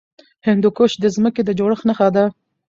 هندوکش د ځمکې د جوړښت نښه ده.